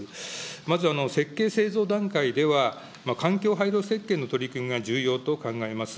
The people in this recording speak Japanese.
まず、設計、製造段階では環境配慮設計が重要と考えます。